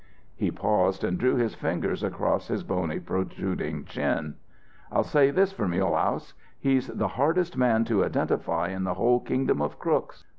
He paused and drew his fingers across his bony protruding chin. "I'll say this for Mulehaus: He's the hardest man to identify in the whole kingdom of crooks.